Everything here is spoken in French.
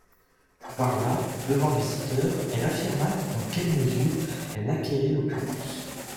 Par là, devant le visiteur, elle affirma dans quelle mesure elle acquérait l'opulence.